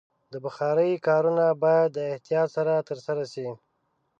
د بخارۍ کارونه باید د احتیاط سره ترسره شي.